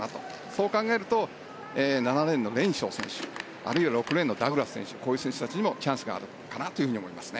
そう考えると７レーンのレンショー選手あるいは６レーンのダグラス選手にもチャンスがあるかなと思います。